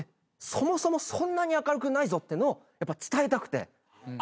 そもそもそんなに明るくないぞってのを伝えたくて。